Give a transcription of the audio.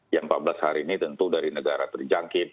yang empat belas hari ini tentu dari negara terjangkit